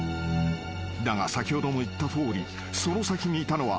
［だが先ほども言ったとおりその先にいたのはＨｅｙ！